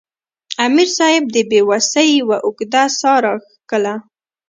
امیر صېب د بې وسۍ یوه اوږده ساه راښکله